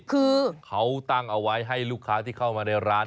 คือเขาตั้งเอาไว้ให้ลูกค้าที่เข้ามาในร้าน